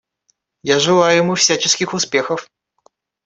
Я желаю ему всяческих успехов.